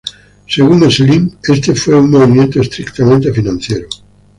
Según Slim, este fue un movimiento estrictamente financiero.